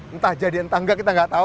entah jadi entah nggak kita nggak tahu